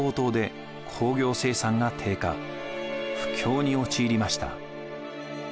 不況に陥りました。